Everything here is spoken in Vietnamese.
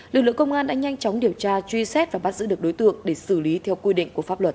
lực lượng công an đã nhanh chóng điều tra truy xét và bắt giữ được đối tượng để xử lý theo quy định của pháp luật